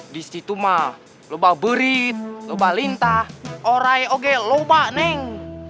di situ mah loba berit loba lintah orai oge loba neng